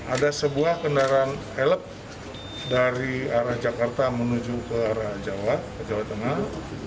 ada sebuah kendaraan elf dari arah jakarta menuju ke jawa tengah